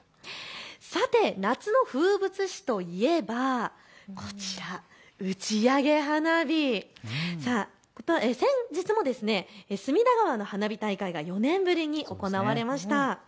さて夏の風物詩といえばこちら打ち上げ花火、先日も隅田川の花火大会が４年ぶりに行われました。